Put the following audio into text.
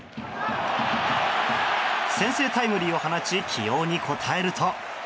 先制タイムリーを放ち起用に応えると。